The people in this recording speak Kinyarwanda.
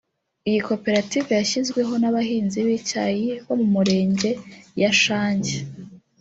Iyi koperative yashyizweho n’abahinzi b’icyayi bo mu Mirenge ya Shangi